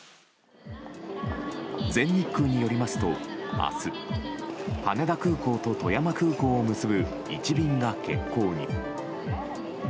全日空によりますと明日、羽田空港と富山空港を結ぶ１便が欠航に。